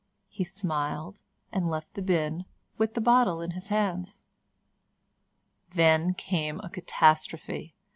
He smiled and left the bin with the bottle in his hands. Then came a catastrophe.